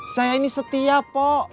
saya ini setia pok